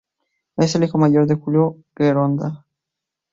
Es el hijo mayor de Julio Grondona.